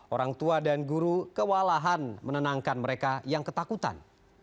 orang tua dan guru kewalahan menenangkan mereka yang ketakutan